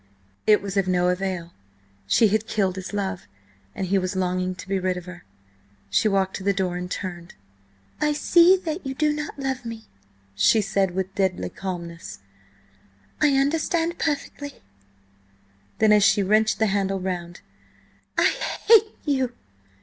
It was of no avail. She had killed his love, and he was longing to be rid of her. She walked to the door, and turned. "I see that you do not love me," she said, with deadly calmness. "I understand perfectly." Then, as she wrenched the handle round: "I hate you!"